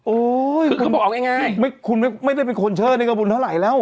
โอ๊ยคือเขาบอกง่ายคุณไม่ได้เป็นคนเชิดในกระบุนเท่าไรแล้ว